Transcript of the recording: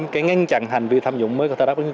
để ngăn chặn hành vi tham dụng mới của tổng bí thư